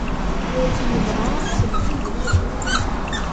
Nebɣa ad nsel kullec.